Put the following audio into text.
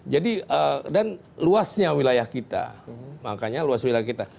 jadi dan luasnya wilayah kita makanya luasnya wilayah kita